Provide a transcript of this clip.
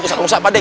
ustaz musa pak de